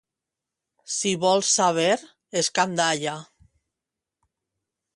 Si vols saber, escandalla.